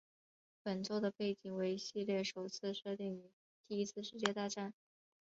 本作的背景为系列首次设定于第一次世界大战。